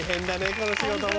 この仕事も。